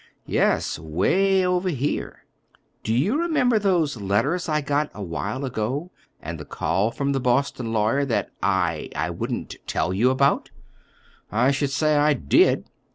"Yes, 'way over here. Do you remember those letters I got awhile ago, and the call from the Boston; lawyer, that I—I wouldn't tell you about?" "I should say I did!"